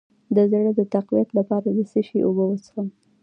د زړه د تقویت لپاره د څه شي اوبه وڅښم؟